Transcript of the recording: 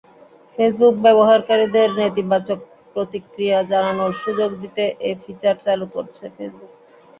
Facebook ব্যবহারকারীদের নেতিবাচক প্রতিক্রিয়া জানানোর সুযোগ দিতে এ ফিচার চালু করছে ফেসবুক।